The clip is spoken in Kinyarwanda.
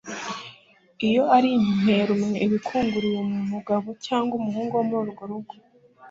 iyo ari imperume iba ikunguriye umugabo cyangwa umuhungu wo muri urwo rugo